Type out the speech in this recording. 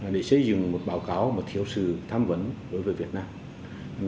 để xây dựng một báo cáo mà thiếu sự tham vấn đối với việt nam